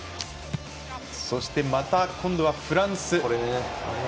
そしてまた今度はフランス。